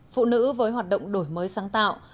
phụ nữ với hoạt động đổi mới sáng tạo